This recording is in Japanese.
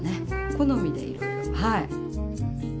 好みでいろいろ。